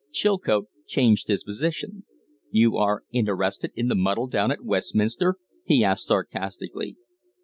Chilcote changed his position. "You are interested in the muddle down at Westminster?" he asked, sarcastically.